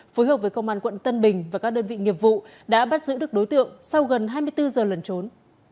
phối hợp với công an quận tân bình và các đơn vị nghiệp vụ đã bắt giữ được đối tượng sau gần hai mươi bốn h lần trốn